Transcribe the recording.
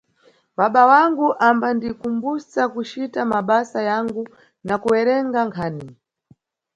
Baba wangu ambandikumbusa kucita mabasa yangu na kuwerenga nkhani.